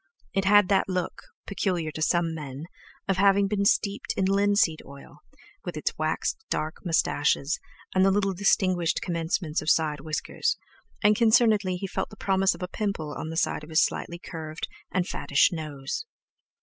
It had that look, peculiar to some men, of having been steeped in linseed oil, with its waxed dark moustaches and the little distinguished commencements of side whiskers; and concernedly he felt the promise of a pimple on the side of his slightly curved and fattish nose.